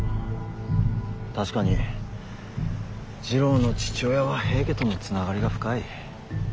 確かに次郎の父親は平家との繋がりが深い。